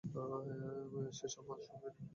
সে সব সামলে নিবে।